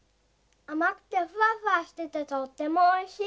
あまくてフワフワしててとってもおいしい。